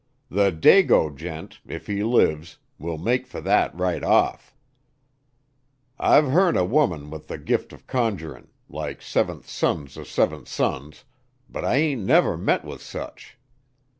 The dago gent if he lives will make fer that right off. I've heern o' women with the gift o' conjurin' like seventh sons o' seventh sons but I ain't ever met with sech.